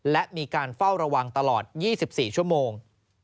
และมีการเฝ้าระวังตลอด๒๔ชั่วโมง